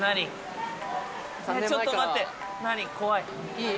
いい？